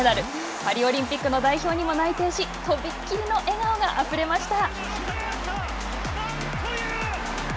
パリオリンピックの代表にも内定しとびっきりの笑顔があふれました。